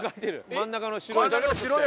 真ん中の白い。